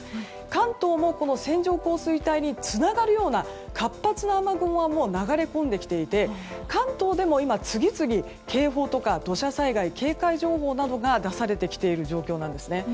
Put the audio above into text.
関東も線状降水帯につながるような活発な雨雲はもう流れ込んできていて関東でも今、次々警報や土砂災害警戒情報などが出されてきている状況なんですね。